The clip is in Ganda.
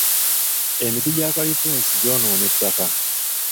Emiti gya kalitunsi gyonoona ettaka.